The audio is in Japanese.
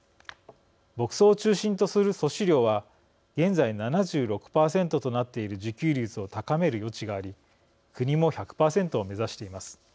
牧草を中心とする粗飼料は現在７６％となっている自給率を高める余地があり国も１００％を目指しています。